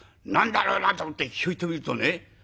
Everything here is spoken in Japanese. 何だろうなと思ってヒョイと見るとね